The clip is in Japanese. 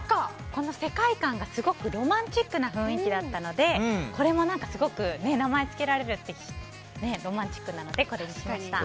この世界観がすごくロマンチックな雰囲気だったのでこれも、名前つけられるってロマンチックなのでこれにしました。